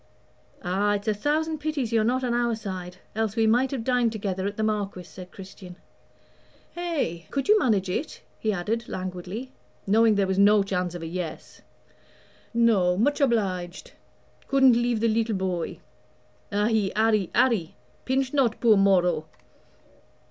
"Ah! it's a thousand pities you're not on our side, else we might have dined together at the Marquis," said Christian. "Eh, could you manage it?" he added, languidly, knowing there was no chance of a yes. "No much obliged couldn't leave the leetle boy. Ahi! Arry, Arry, pinch not poor Moro."